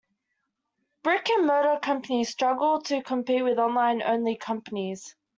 Brick and mortar companies struggle to compete with online only companies.